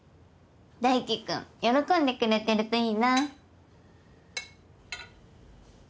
大貴君喜んでくれてるといいな。